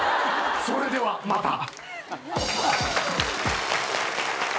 それではまた。